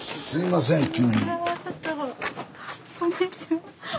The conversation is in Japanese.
すんません。